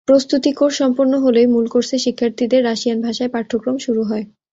প্রস্তুতি কোর্স সম্পন্ন হলেই মূল কোর্সে শিক্ষার্থীদের রাশিয়ান ভাষায় পাঠ্যক্রম শুরু হয়।